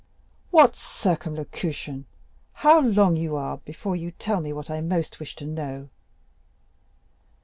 "What circumlocution! How long you are before you tell me what I most wish to know?"